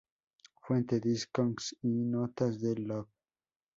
Fuentes: Discogs y notas de "Love.